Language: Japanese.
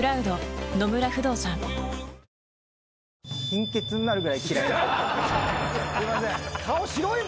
貧血になるぐらい嫌い。